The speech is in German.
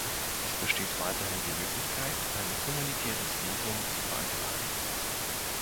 Es besteht weiterhin die Möglichkeit, ein humanitäres Visum zu beantragen.